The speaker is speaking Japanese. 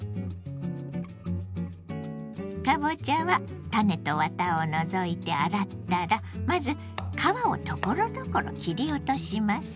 かぼちゃは種とワタを除いて洗ったらまず皮をところどころ切り落とします。